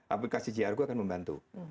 aplikasi grq akan membantu